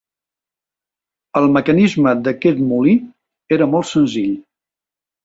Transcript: El mecanisme d'aquest molí era molt senzill.